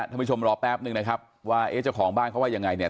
ท่านผู้ชมรอแป๊บนึงนะครับว่าเอ๊ะเจ้าของบ้านเขาว่ายังไงเนี่ย